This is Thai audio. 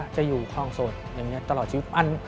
จะอยู่คลองโสดอย่างนี้ตลอดชีวิต